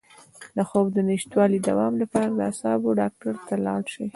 د خوب د نشتوالي د دوام لپاره د اعصابو ډاکټر ته لاړ شئ